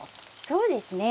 そうですね。